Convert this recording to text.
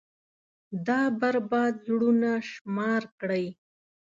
دا بـربـاد زړونه شمار كړئ.